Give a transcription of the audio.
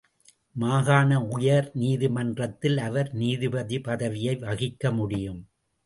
மாகாண உயர்நீதிமன்றத்தில் அவர் நீதிபதி பதவியை வகிக்க முடியும்.